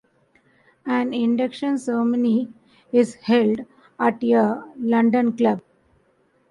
An induction ceremony is held at a London club.